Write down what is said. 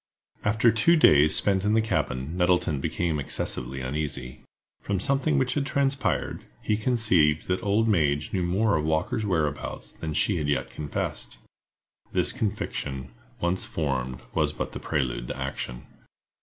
_ AFTER two days spent in the cabin, Nettleton became excessively uneasy. From something which had transpired, he conceived that old Madge knew more of Walker's whereabouts than she had yet confessed. This conviction, once formed, was but the prelude to action.